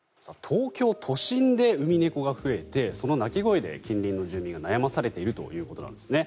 東京都心でウミネコが増えてその鳴き声で近隣の住民が悩まされているということなんですね。